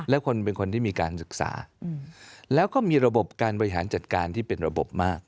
และคนเป็นคนที่มีการศึกษาแล้วก็มีระบบการบริหารจัดการที่เป็นระบบมาก